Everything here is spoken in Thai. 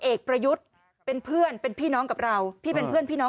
เอกประยุทธ์เป็นเพื่อนเป็นพี่น้องกับเราพี่เป็นเพื่อนพี่น้อง